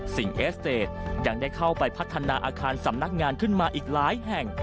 เอสเตจยังได้เข้าไปพัฒนาอาคารสำนักงานขึ้นมาอีกหลายแห่ง